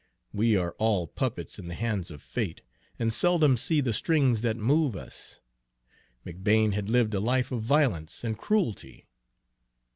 We are all puppets in the hands of Fate, and seldom see the strings that move us. McBane had lived a life of violence and cruelty.